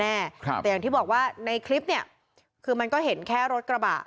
แต่อย่างที่บอกว่าในคลิปเนี่ยคือมันก็เห็นแค่รถกระบะ